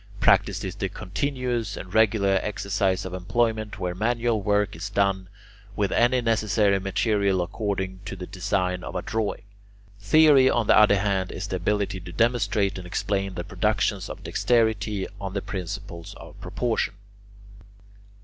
Practice is the continuous and regular exercise of employment where manual work is done with any necessary material according to the design of a drawing. Theory, on the other hand, is the ability to demonstrate and explain the productions of dexterity on the principles of proportion.